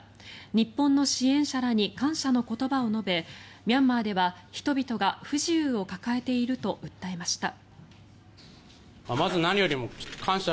日本の支援者らに感謝の言葉を述べミャンマーでは人々が不自由を抱えていると訴えました。